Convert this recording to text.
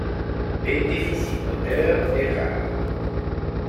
Le déficit moteur est rare.